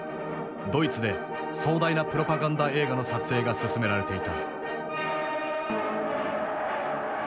ドイツで壮大なプロパガンダ映画の撮影が進められていた。